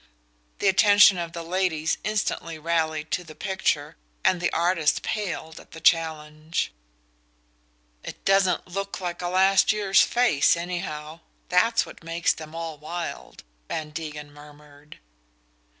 The attention of the ladies instantly rallied to the picture, and the artist paled at the challenge. "It doesn't look like a last year's face, anyhow that's what makes them all wild," Van Degen murmured.